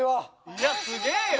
いやすげえよ！